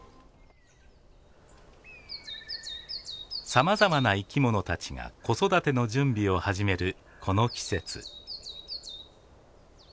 さまざまな生き物たちが子育ての準備を始めるこの季節。